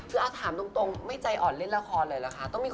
คือถามตรงไม่ใจอ่อนเล่นละครเลยเหรอคะ